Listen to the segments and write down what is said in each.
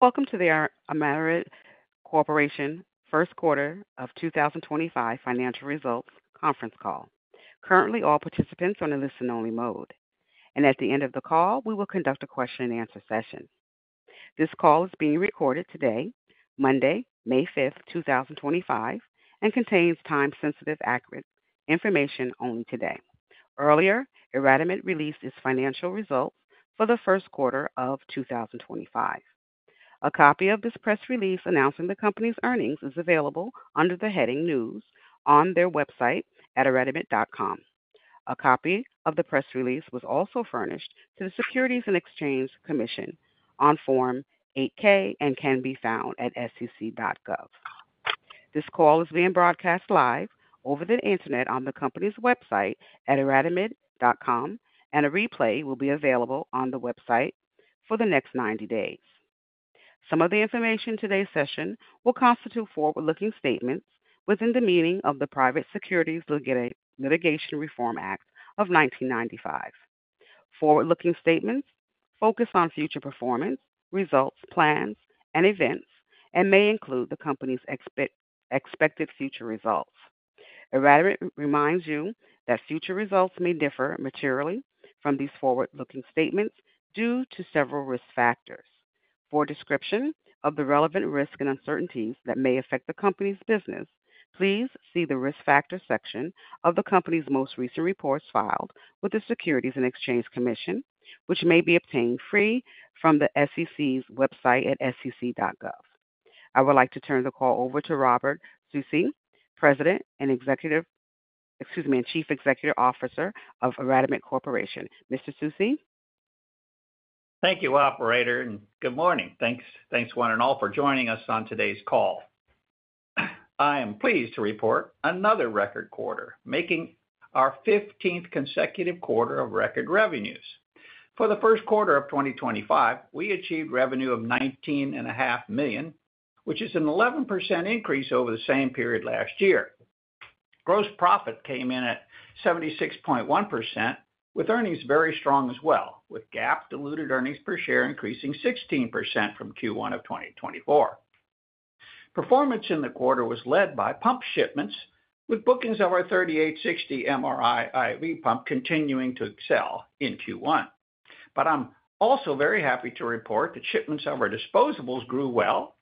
Welcome to the IRadimed Corporation First Quarter of 2025 Financial Results conference call. Currently, all participants are in listen-only mode. At the end of the call, we will conduct a question-and-answer session. This call is being recorded today, Monday, May 5, 2025, and contains time-sensitive accurate information only today. Earlier, IRadimed released its financial results for the first quarter of 2025. A copy of this press release announcing the company's earnings is available under the heading News on their website at iradimed.com. A copy of the press release was also furnished to the Securities and Exchange Commission on Form 8-K and can be found at sec.gov. This call is being broadcast live over the internet on the company's website at iradimed.com, and a replay will be available on the website for the next 90 days. Some of the information in today's session will constitute forward-looking statements within the meaning of the Private Securities Litigation Reform Act of 1995. Forward-looking statements focus on future performance, results, plans, and events, and may include the company's expected future results. IRadimed reminds you that future results may differ materially from these forward-looking statements due to several Risk Factors. For a description of the relevant risks and uncertainties that may affect the company's business, please see the Risk Factor section of the company's most recent reports filed with the Securities and Exchange Commission, which may be obtained free from the SEC's website at sec.gov. I would like to turn the call over to Roger Susi, President and Chief Executive Officer of IRadimed Corporation. Mr. Susi? Thank you, Operator, and good morning. Thanks one and all for joining us on today's call. I am pleased to report another record quarter, making our 15th consecutive quarter of record revenues. For the first quarter of 2025, we achieved revenue of $19.5 million, which is an 11% increase over the same period last year. Gross profit came in at 76.1%, with earnings very strong as well, with GAAP diluted earnings per share increasing 16% from Q1 of 2024. Performance in the quarter was led by pump shipments, with bookings of our 3860 MRI IV pump continuing to excel in Q1. I am also very happy to report that shipments of our disposables grew well,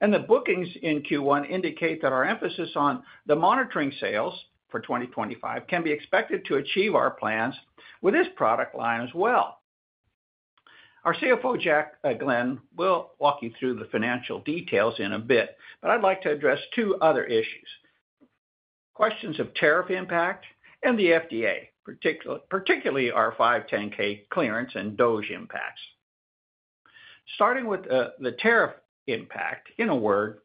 and the bookings in Q1 indicate that our emphasis on the monitoring sales for 2025 can be expected to achieve our plans with this product line as well. Our CFO, Jack Glenn, will walk you through the financial details in a bit, but I'd like to address two other issues: questions of tariff impact and the FDA, particularly our 510(k) clearance and DOGE impacts. Starting with the tariff impact, in a word,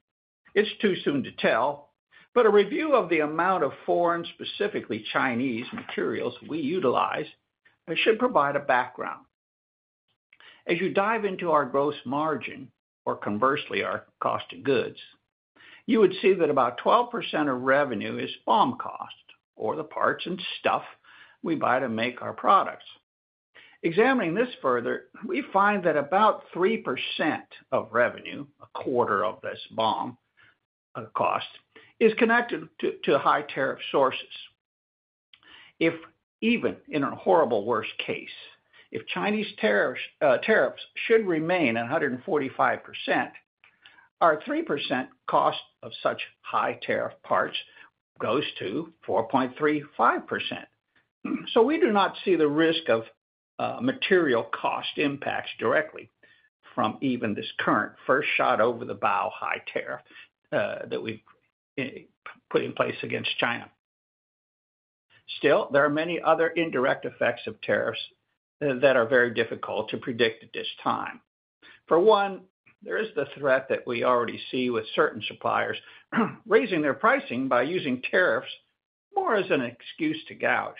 it's too soon to tell, but a review of the amount of foreign, specifically Chinese materials we utilize should provide a background. As you dive into our gross margin, or conversely, our cost of goods, you would see that about 12% of revenue is BOM cost, or the parts and stuff we buy to make our products. Examining this further, we find that about 3% of revenue, a quarter of this BOM cost, is connected to high tariff sources. If, even in a horrible worst case, Chinese tariffs should remain at 145%, our 3% cost of such high-tariff parts goes to 4.35%. We do not see the risk of material cost impacts directly from even this current first shot over the bow high tariff that we have put in place against China. Still, there are many other indirect effects of tariffs that are very difficult to predict at this time. For one, there is the threat that we already see with certain suppliers raising their pricing by using tariffs more as an excuse to gouge.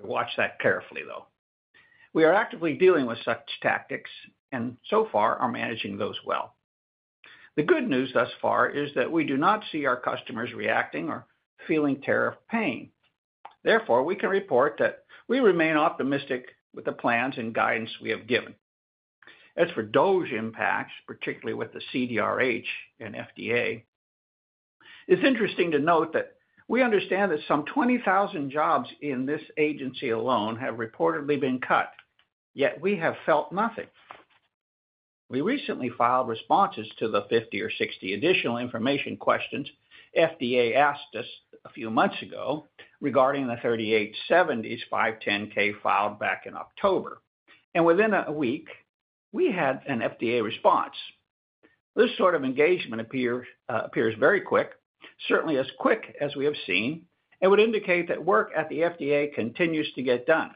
We watch that carefully, though. We are actively dealing with such tactics and so far are managing those well. The good news thus far is that we do not see our customers reacting or feeling tariff pain. Therefore, we can report that we remain optimistic with the plans and guidance we have given. As for DOGE impacts, particularly with the CDRH and FDA, it's interesting to note that we understand that some 20,000 jobs in this agency alone have reportedly been cut, yet we have felt nothing. We recently filed responses to the 50 or 60 additional information questions FDA asked us a few months ago regarding the 3870's 510(k) filed back in October. Within a week, we had an FDA response. This sort of engagement appears very quick, certainly as quick as we have seen, and would indicate that work at the FDA continues to get done.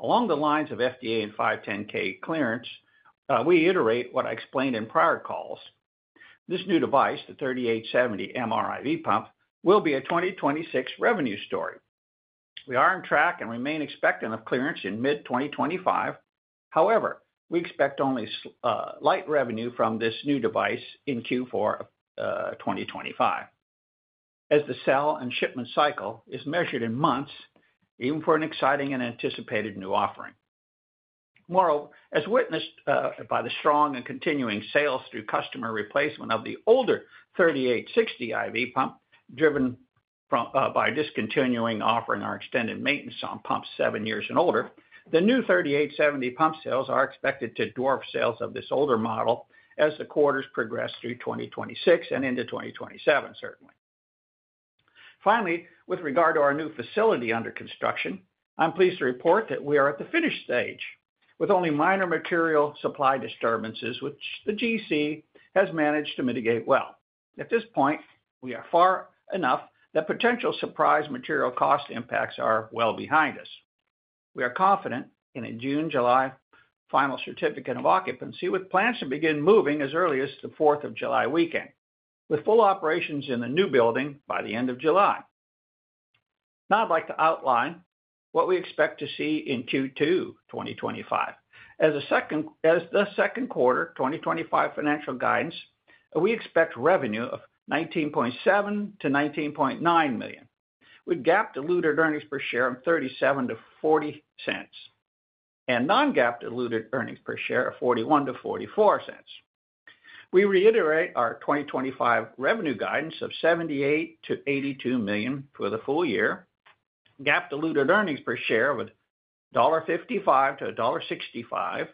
Along the lines of FDA and 510(k) clearance, we iterate what I explained in prior calls. This new device, the 3870 MRI IV pump, will be a 2026 revenue story. We are on track and remain expectant of clearance in mid-2025. However, we expect only light revenue from this new device in Q4 of 2025, as the sell and shipment cycle is measured in months, even for an exciting and anticipated new offering. Moreover, as witnessed by the strong and continuing sales through customer replacement of the older 3860 IV pump, driven by discontinuing offering our extended maintenance on pumps seven years and older, the new 3870 pump sales are expected to dwarf sales of this older model as the quarters progress through 2026 and into 2027, certainly. Finally, with regard to our new facility under construction, I'm pleased to report that we are at the finish stage, with only minor material supply disturbances, which the GC has managed to mitigate well. At this point, we are far enough that potential surprise material cost impacts are well behind us. We are confident in a June-July final certificate of occupancy, with plans to begin moving as early as the 4th of July weekend, with full operations in the new building by the end of July. Now, I'd like to outline what we expect to see in Q2 2025. As the second quarter 2025 financial guidance, we expect revenue of $19.7 million-$19.9 million, with GAAP diluted earnings per share of $0.37-$0.40 and non-GAAP diluted earnings per share of $0.41-$0.44. We reiterate our 2025 revenue guidance of $78 million-$82 million for the full year, GAAP diluted earnings per share of $1.55-$1.65,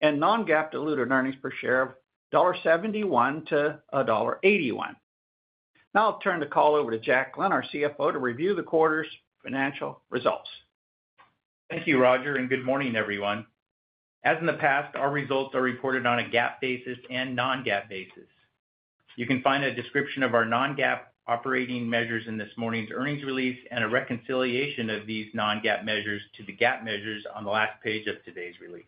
and non-GAAP diluted earnings per share of $1.71-$1.81. Now, I'll turn the call over to Jack Glenn, our CFO, to review the quarter's financial results. Thank you, Roger, and good morning, everyone. As in the past, our results are reported on a GAAP basis and non-GAAP basis. You can find a description of our non-GAAP operating measures in this morning's earnings release and a reconciliation of these non-GAAP measures to the GAAP measures on the last page of today's release.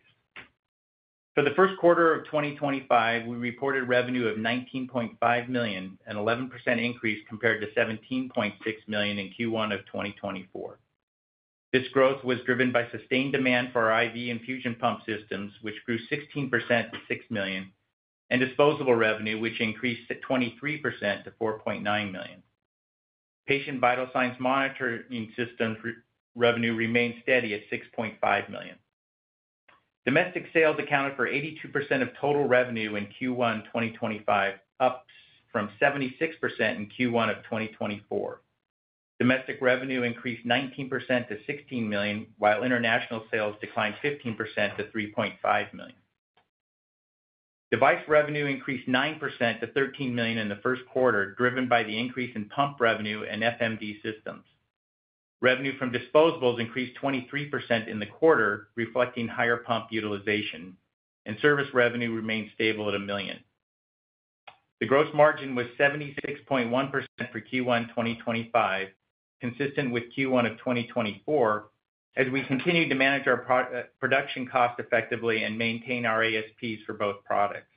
For the first quarter of 2025, we reported revenue of $19.5 million, an 11% increase compared to $17.6 million in Q1 of 2024. This growth was driven by sustained demand for our IV infusion pump systems, which grew 16% to $6 million, and disposable revenue, which increased 23% to $4.9 million. Patient vital signs monitoring system revenue remained steady at $6.5 million. Domestic sales accounted for 82% of total revenue in Q1 2025, up from 76% in Q1 of 2024. Domestic revenue increased 19% to $16 million, while international sales declined 15% to $3.5 million. Device revenue increased 9% to $13 million in the first quarter, driven by the increase in pump revenue and FMD systems. Revenue from disposables increased 23% in the quarter, reflecting higher pump utilization, and service revenue remained stable at $1 million. The gross margin was 76.1% for Q1 2025, consistent with Q1 of 2024, as we continued to manage our production costs effectively and maintain our ASPs for both products.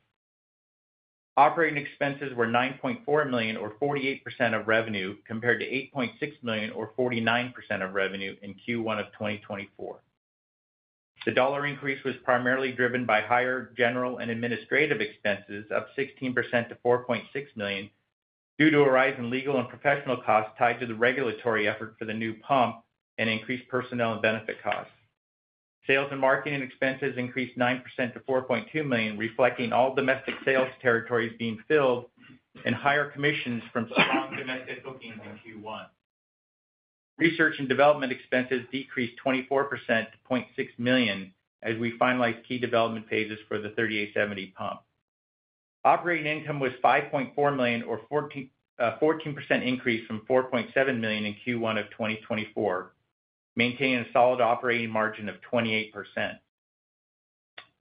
Operating expenses were $9.4 million, or 48% of revenue, compared to $8.6 million, or 49% of revenue in Q1 of 2024. The dollar increase was primarily driven by higher general and administrative expenses up 16% to $4.6 million due to a rise in legal and professional costs tied to the regulatory effort for the new pump and increased personnel and benefit costs. Sales and marketing expenses increased 9% to $4.2 million, reflecting all domestic sales territories being filled and higher commissions from strong domestic bookings in Q1. Research and development expenses decreased 24% to $0.6 million as we finalized key development phases for the 3870 pump. Operating income was $5.4 million, or a 14% increase from $4.7 million in Q1 of 2024, maintaining a solid operating margin of 28%.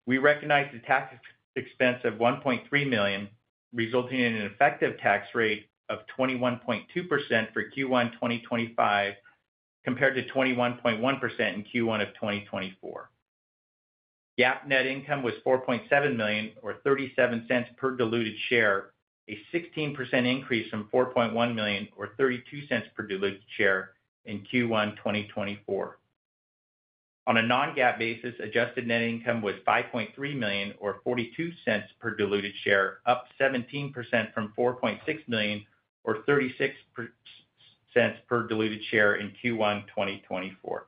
We recognize the tax expense of $1.3 million, resulting in an effective tax rate of 21.2% for Q1 2025, compared to 21.1% in Q1 of 2024. GAAP net income was $4.7 million, or $0.37 per diluted share, a 16% increase from $4.1 million, or $0.32 per diluted share in Q1 2024. On a non-GAAP basis, adjusted net income was $5.3 million, or $0.42 per diluted share, up 17% from $4.6 million, or $0.36 per diluted share in Q1 2024.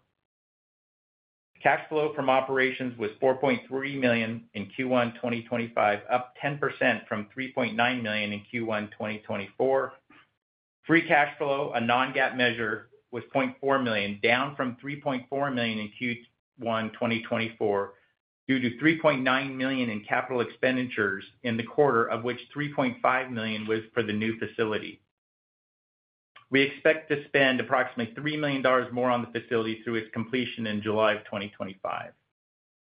Cash flow from operations was $4.3 million in Q1 2025, up 10% from $3.9 million in Q1 2024. Free cash flow, a non-GAAP measure, was $0.4 million, down from $3.4 million in Q1 2024 due to $3.9 million in capital expenditures in the quarter, of which $3.5 million was for the new facility. We expect to spend approximately $3 million more on the facility through its completion in July of 2025.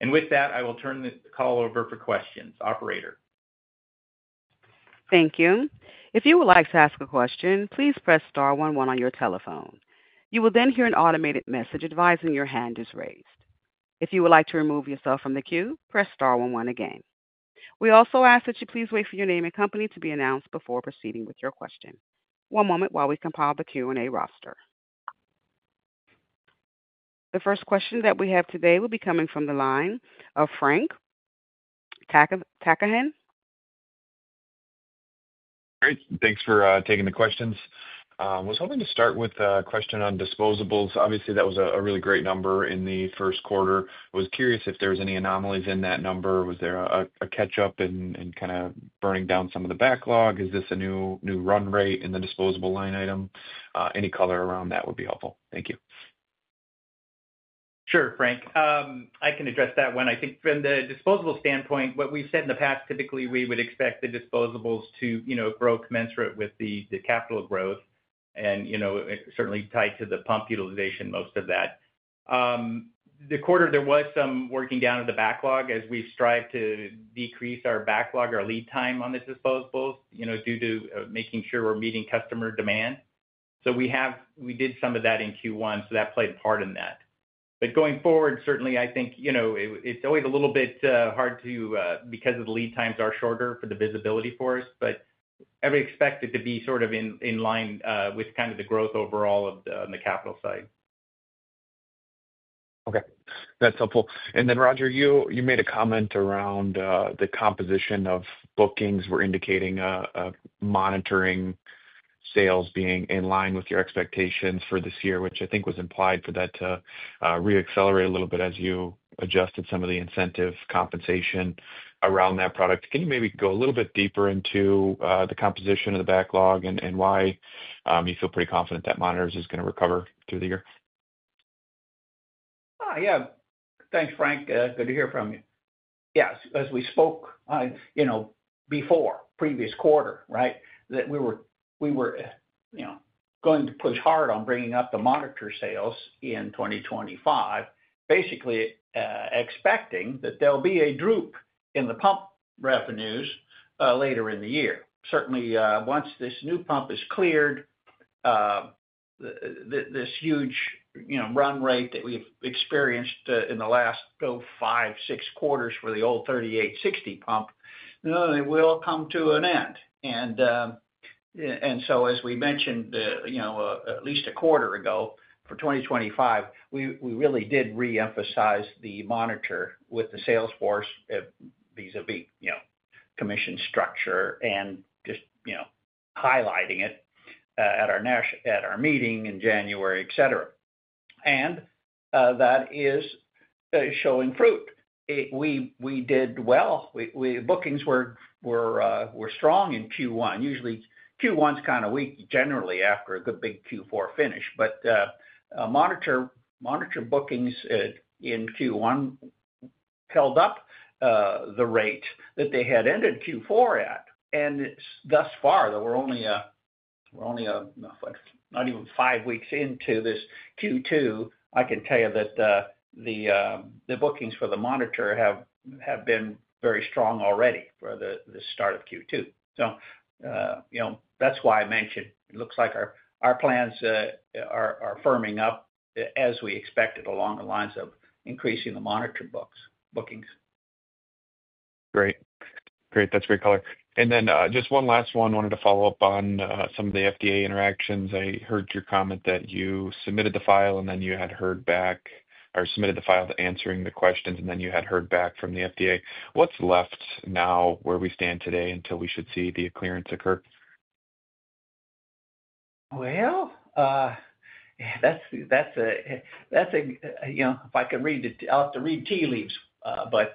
I will turn the call over for questions, Operator. Thank you. If you would like to ask a question, please press star one one on your telephone. You will then hear an automated message advising your hand is raised. If you would like to remove yourself from the queue, press star one one again. We also ask that you please wait for your name and company to be announced before proceeding with your question. One moment while we compile the Q&A roster. The first question that we have today will be coming from the line of Frank Takkinen. Great. Thanks for taking the questions. I was hoping to start with a question on disposables. Obviously, that was a really great number in the first quarter. I was curious if there were any anomalies in that number. Was there a catch-up and kind of burning down some of the backlog? Is this a new run rate in the disposable line item? Any color around that would be helpful. Thank you. Sure, Frank. I can address that one. I think from the disposable standpoint, what we've said in the past, typically we would expect the disposables to grow commensurate with the capital growth and certainly tied to the pump utilization, most of that. The quarter, there was some working down of the backlog as we strived to decrease our backlog, our lead time on the disposables due to making sure we're meeting customer demand. We did some of that in Q1, so that played a part in that. Going forward, certainly, I think it's always a little bit hard because the lead times are shorter for the visibility for us, but I would expect it to be sort of in line with kind of the growth overall on the capital side. Okay. That's helpful. Roger, you made a comment around the composition of bookings. We're indicating monitoring sales being in line with your expectations for this year, which I think was implied for that to re-accelerate a little bit as you adjusted some of the incentive compensation around that product. Can you maybe go a little bit deeper into the composition of the backlog and why you feel pretty confident that monitors is going to recover through the year? Oh, yeah. Thanks, Frank. Good to hear from you. Yes. As we spoke before, previous quarter, right, that we were going to push hard on bringing up the monitor sales in 2025, basically expecting that there'll be a droop in the pump revenues later in the year. Certainly, once this new pump is cleared, this huge run rate that we've experienced in the last five, six quarters for the old 3860 pump, it will come to an end. As we mentioned at least a quarter ago for 2025, we really did re-emphasize the monitor with the sales force vis-à-vis commission structure and just highlighting it at our meeting in January, etc. That is showing fruit. We did well. Bookings were strong in Q1. Usually, Q1 is kind of weak, generally, after a good big Q4 finish. Monitor bookings in Q1 held up the rate that they had ended Q4 at. Thus far, we're only not even five weeks into this Q2. I can tell you that the bookings for the monitor have been very strong already for the start of Q2. That's why I mentioned it looks like our plans are firming up as we expect it along the lines of increasing the monitor bookings. Great. Great. That's great color. Just one last one. I wanted to follow up on some of the FDA interactions. I heard your comment that you submitted the file and then you had heard back or submitted the file to answering the questions, and then you had heard back from the FDA. What's left now where we stand today until we should see the clearance occur? That's a—if I can read it, I'll have to read tea leaves, but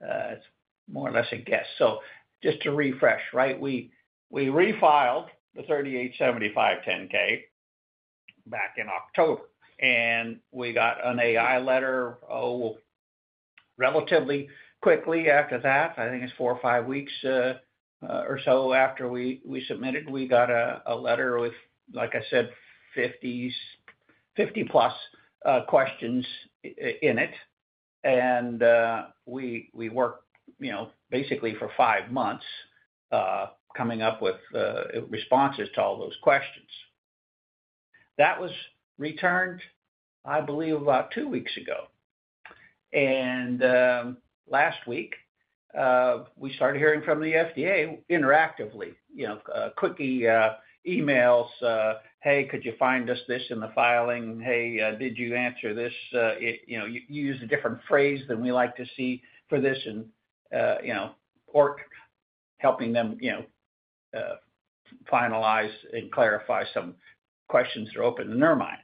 it's more or less a guess. Just to refresh, right, we refiled the 3870 510(k) back in October, and we got an AI letter relatively quickly after that. I think it's four or five weeks or so after we submitted. We got a letter with, like I said, 50+ questions in it. We worked basically for five months coming up with responses to all those questions. That was returned, I believe, about two weeks ago. Last week, we started hearing from the FDA interactively, quick emails, "Hey, could you find us this in the filing? Hey, did you answer this? You used a different phrase than we like to see for this," and helping them finalize and clarify some questions that are open in their mind.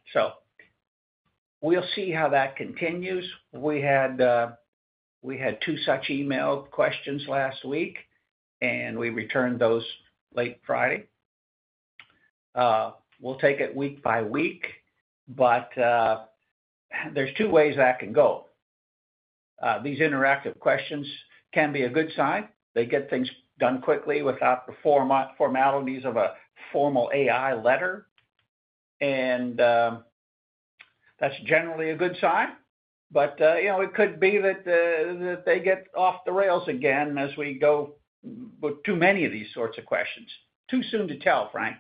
We'll see how that continues. We had two such email questions last week, and we returned those late Friday. We'll take it week-by-week, but there's two ways that can go. These interactive questions can be a good sign. They get things done quickly without the formalities of a formal AI letter. That's generally a good sign. It could be that they get off the rails again as we go with too many of these sorts of questions. Too soon to tell, Frank.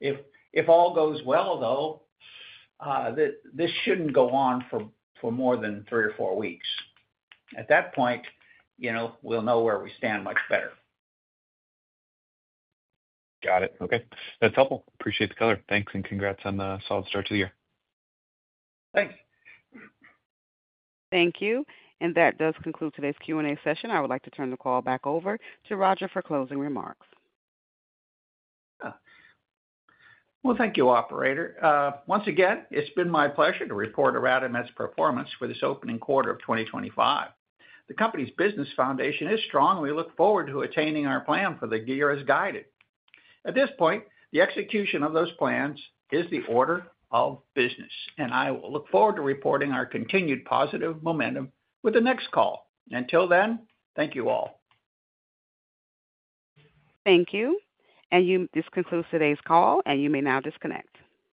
If all goes well, though, this shouldn't go on for more than three or four weeks. At that point, we'll know where we stand much better. Got it. Okay. That's helpful. Appreciate the color. Thanks, and congrats on a solid start to the year. Thanks. Thank you. That does conclude today's Q&A session. I would like to turn the call back over to Roger for closing remarks. Thank you, Operator. Once again, it's been my pleasure to report about IRadimed's performance for this opening quarter of 2025. The company's business foundation is strong, and we look forward to attaining our plan for the year as guided. At this point, the execution of those plans is the order of business, and I will look forward to reporting our continued positive momentum with the next call. Until then, thank you all. Thank you. This concludes today's call, and you may now disconnect.